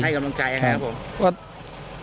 ให้กำลังใจยังไงครับผม